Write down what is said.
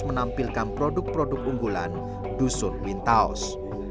menampilkan produk produk unggulan dusun wintaos